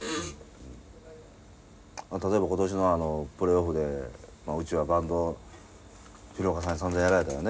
例えば今年のあのプレーオフでうちはバント広岡さんにさんざんやられたよね。